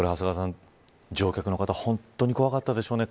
乗客の方は本当に怖かったでしょうね。